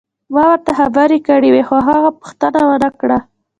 ما ورته خبرې کړې وې خو هغه پوښتنه ونه کړه.